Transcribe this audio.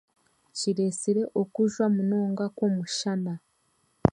Kiresire okujwa munonga kw'omushana